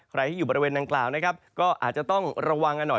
ใครที่อยู่บริเวณดังกล่าวนะครับก็อาจจะต้องระวังกันหน่อย